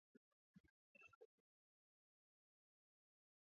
Kinachopambana na Uhalifu Kimataifa